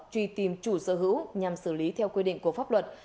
truy tìm chủ sở hữu nhằm xử lý theo quy định của pháp luật